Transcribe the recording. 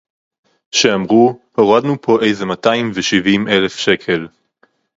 שאמרו: הורדנו פה איזה מאתיים ושבעים אלף שקל